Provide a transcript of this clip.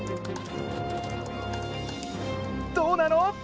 どうなの？